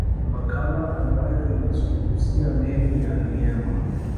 Makala ambayo inazungumzia meli ya Liemba